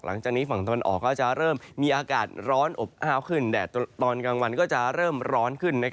หลังจากนี้ฝั่งตะวันออกก็จะเริ่มมีอากาศร้อนอบอ้าวขึ้นแดดตอนกลางวันก็จะเริ่มร้อนขึ้น